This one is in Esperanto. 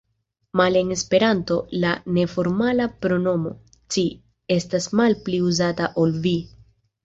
Male en Esperanto, la neformala pronomo „ci“ estas malpli uzata ol „vi“.